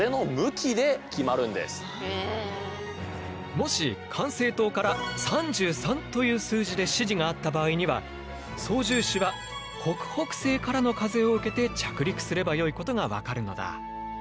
もし管制塔から「３３」という数字で指示があった場合には操縦士は北北西からの風を受けて着陸すればよいことが分かるのだ。